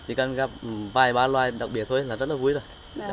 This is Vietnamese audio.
chỉ cần gặp vài ba loài đặc biệt thôi là rất là vui rồi